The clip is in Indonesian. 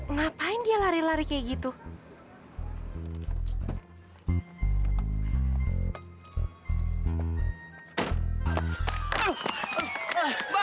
ngapain dia lari lari gehtuh